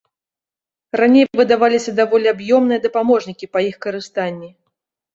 Раней выдаваліся даволі аб'ёмныя дапаможнікі па іх карыстанні.